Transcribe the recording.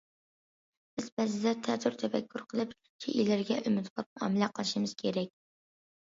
بىز بەزىدە تەتۈر تەپەككۇر قىلىپ، شەيئىلەرگە ئۈمىدۋار مۇئامىلە قىلىشىمىز كېرەك.